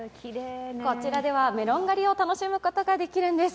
こちらではメロン狩りを楽しむことができるんです。